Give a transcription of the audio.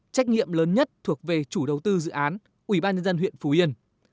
trách nhiệm lớn nhất thuộc về chủ đầu tư dự án ủy ban nhân dân huyện phú yên